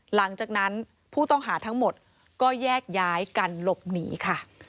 หลังจากนั้นผู้ต้องหาทั้งหมดก็แยกย้ายกันหลบหนีค่ะ